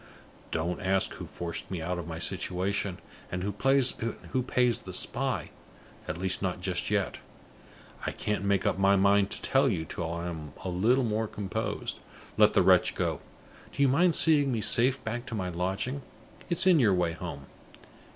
Don't ask who forced me out of my situation, and who pays the spy at least not just yet. I can't make up my mind to tell you till I am a little more composed. Let the wretch go. Do you mind seeing me safe back to my lodging? It's in your way home.